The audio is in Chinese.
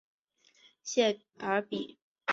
谢尔比。